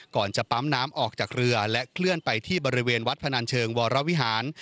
ก่อนจะปั๊มน้ำออกจากเรือและเคลื่อนไปที่บริเวณวัดพนันเชิงวรวิหาร